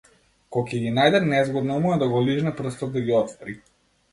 Ко ќе ги најде, незгодно му е да го лижне прстот да ги отвори.